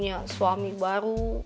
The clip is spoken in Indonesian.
aku mau ambil mie baru